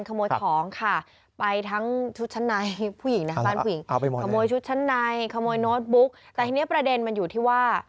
ขโมยของค่ะไปทั้งชุดชั้นในผู้หญิงนะบ้านผู้หญิงขโมยชุดชั้นในขโมยโน้ตบุ๊กแต่ทีนี้ประเด็นมันอยู่ที่ว่า